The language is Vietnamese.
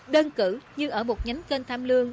đơn cử như ở một nhánh kênh tham lương